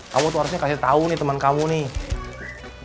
kamu tuh harusnya kasih tau nih temen kamu nih